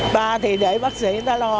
ba thì để bác sĩ người ta lo